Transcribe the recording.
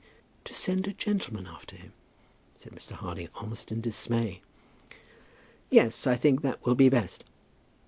"To send a gentleman after him?" said Mr. Harding, almost in dismay. "Yes; I think that will be best."